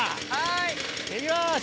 いきます